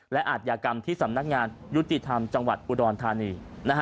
และอาทยากรรมที่สำนักงานยุติธรรมจังหวัดอุดรธานี